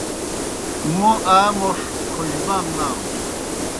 موْ آ موْݜ کھوجبام نانُس۔